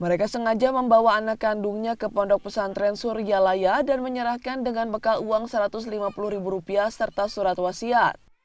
mereka sengaja membawa anak kandungnya ke pondok pesantren suryalaya dan menyerahkan dengan bekal uang rp satu ratus lima puluh ribu rupiah serta surat wasiat